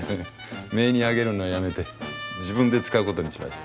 めいにあげるのやめて自分で使うことにしました。